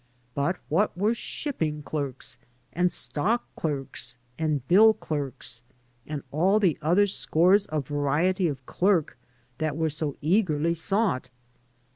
But what were shipping clerks, and stock clerks, and bill clerks, and aU the other scores of varieties of clerk that were so eagerly sought?